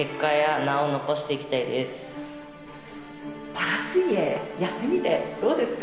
パラ水泳やってみてどうですか？